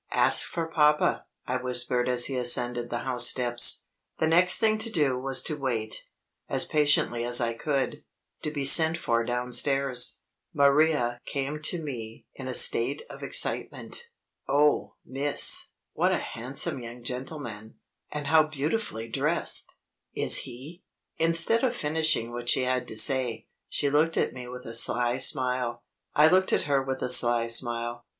"Ask for papa," I whispered as he ascended the house steps. The next thing to do was to wait, as patiently as I could, to be sent for downstairs. Maria came to me in a state of excitement. "Oh, miss, what a handsome young gentleman, and how beautifully dressed! Is he ?" Instead of finishing what she had to say, she looked at me with a sly smile. I looked at her with a sly smile.